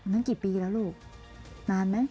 นั่นกี่ปีแล้วลูกนานไหม